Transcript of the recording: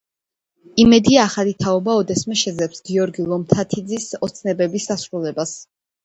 იმედია, ახალი თაობა ოდესმე შეძლებს გიორგი ლომთათიძის ოცნებების ასრულებას.